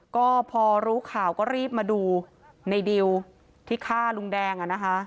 ก็พอรู้ข่าวก็รีบมาดูในดิวที่ฆ่าลุงแดง